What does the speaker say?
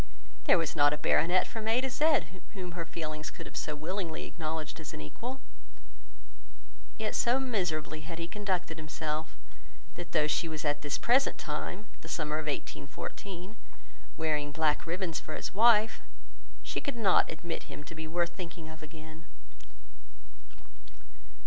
There was not a baronet from A to Z whom her feelings could have so willingly acknowledged as an equal. Yet so miserably had he conducted himself, that though she was at this present time (the summer of 1814) wearing black ribbons for his wife, she could not admit him to be worth thinking of again.